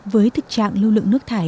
với thức trạng lưu lượng nước thải